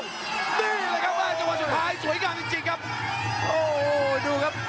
นี่แหละครับว่าจังหวะสุดท้ายสวยงามจริงจริงครับโอ้โหดูครับ